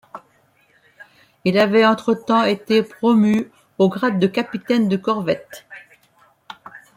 Il avait, entretemps, été promu au grade de capitaine de corvette.